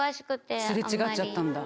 擦れ違っちゃったんだ。